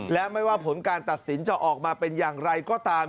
และไม่ว่าผลการตัดสินจะออกมาเป็นอย่างไรก็ตาม